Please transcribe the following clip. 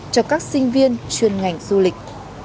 cho các sinh viên chuyên ngành du lịch